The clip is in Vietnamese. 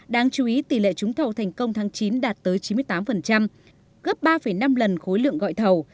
đáng chú ý tỷ lệ trúng thầu thành công tháng chín đạt tới chín mươi tám gấp ba năm lần khối lượng gọi thầu